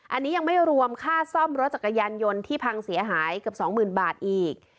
อันนี้ยังไม่รวมค่าซ่อมรถจักรยานยนต์ที่พังเสียหายเกือบ๒๐๐๐บาทอีก